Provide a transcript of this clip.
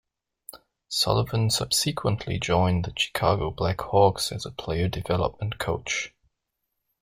Sullivan subsequently joined the Chicago Blackhawks as a player development coach.